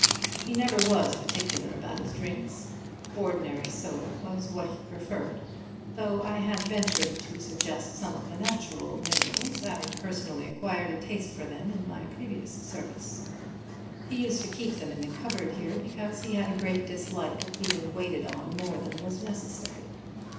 He never was particular about his drinks; ordinary soda was what he preferred, though I had ventured to suggest some of the natural minerals, having personally acquired a taste for them in my previous service. He used to keep them in the cupboard here because he had a great dislike of being waited on more than was necessary.